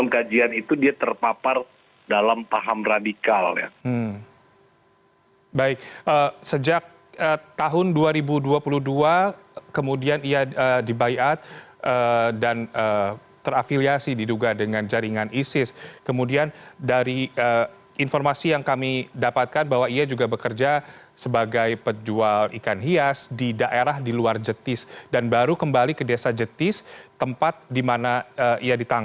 kami akan mencari penangkapan teroris di wilayah hukum sleman